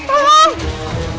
tidak ada yang bisa dihukum